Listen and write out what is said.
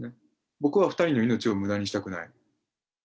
僕は２人の命をむだにしたくない。